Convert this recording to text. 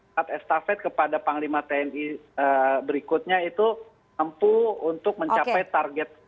saat estafet kepada panglima tni berikutnya itu mampu untuk mencapai target